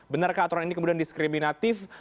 benarkah aturan ini kemudian diskriminatif